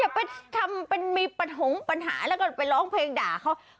ไปทำเป็นมีปัญหาแล้วก็ไปร้องเพลงด่าเขา